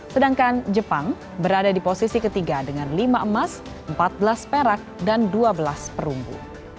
sedangkan jepang berada di posisi ketiga dengan lima emas empat belas perak dan dua belas perunggu